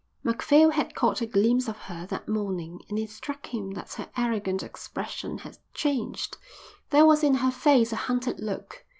Macphail had caught a glimpse of her that morning and it struck him that her arrogant expression had changed. There was in her face a hunted look.